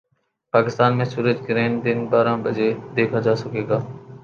پاکستان میں سورج گرہن دن بارہ بجے دیکھا جا سکے گا